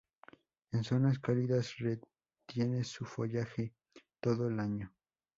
En zonas cálidas retiene su follaje todo el año.